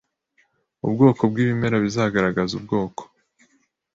Ubwoko bwibimera bizagaragaza ubwoko